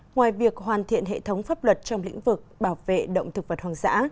ngoài việc hoàn thiện hệ thống pháp luật trong lĩnh vực bảo vệ động thực vật hoang dã